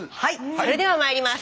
それではまいります。